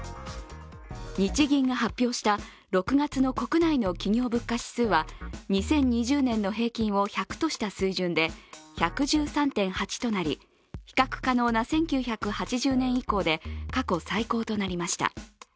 日銀が発表した６月の国内の企業物価指数は２０２０年の平均を１００とした水準で１１３．８となり、比較可能な１９８０年以降で過去最高となりました。